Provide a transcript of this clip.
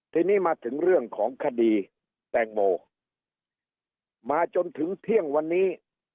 ทีนี้มาถึงเรื่องของคดีแตงโมมาจนถึงเที่ยงวันนี้